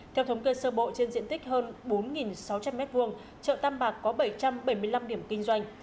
theo thống kê sơ bộ trên diện tích hơn bốn sáu trăm linh m hai chợ tam bạc có bảy trăm bảy mươi năm điểm kinh doanh